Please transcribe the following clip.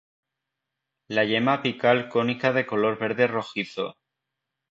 La yema apical cónica de color verde rojizo.